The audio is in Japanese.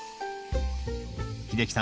秀樹さん